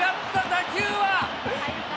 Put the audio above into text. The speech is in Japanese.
打球は？